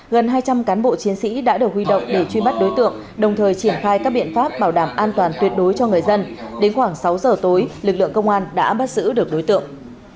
gần hai trăm linh cán bộ chiến sĩ đã được huy động để truy bắt đối tượng đồng thời triển khai các biện pháp bảo đảm an toàn tuyệt đối cho người dân đến khoảng sáu giờ tối lực lượng công an đã bắt giữ được đối tượng